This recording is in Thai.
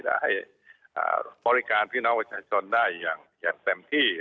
ให้บริการพี่น้องประชาชนได้อย่างเต็มที่